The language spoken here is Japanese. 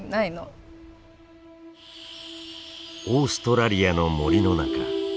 オーストラリアの森の中。